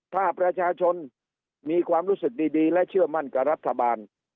ถ้าประชาชนมีความรู้สึกดีและเชื่อมั่นกับรัฐบาล